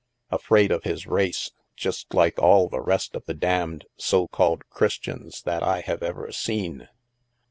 Afraid of his race, just like all the rest of the damned so called Qiristians that I have ever seen."